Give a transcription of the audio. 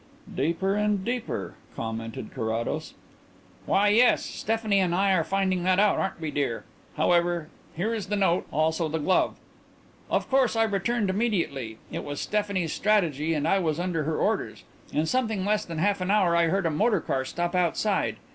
"Deeper and deeper," commented Carrados. "Why, yes. Stephanie and I are finding that out, aren't we, dear? However, here is the first note; also the glove. Of course I returned immediately. It was Stephanie's strategy and I was under her orders. In something less than half an hour I heard a motor car stop outside.